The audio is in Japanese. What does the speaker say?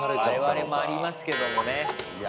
我々もありますけどもね。